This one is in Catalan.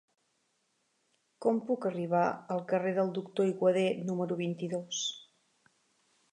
Com puc arribar al carrer del Doctor Aiguader número vint-i-dos?